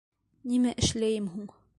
Нимә эшләйем һуң?